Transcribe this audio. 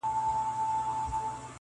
• هم غړومبی دی له اسمانه هم له مځکي -